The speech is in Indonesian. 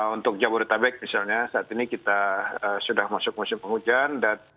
untuk jabodetabek misalnya saat ini kita sudah masuk musim penghujan